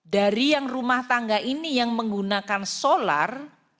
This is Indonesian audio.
dari yang rumah tangga ini yang menggunakan solar